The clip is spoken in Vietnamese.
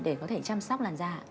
để có thể chăm sóc làn da